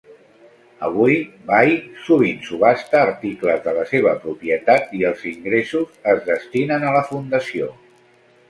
Avui, Vai sovint subhasta articles de la seva propietat i els ingressos es destinen a la fundació.